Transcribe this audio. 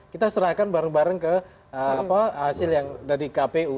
kita serahkan bareng bareng ke hasil yang dari kpu